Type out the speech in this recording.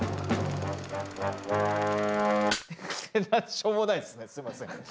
しょうもないですねすいません。